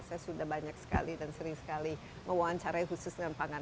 saya sudah banyak sekali dan sering sekali mewawancarai khusus dengan pangan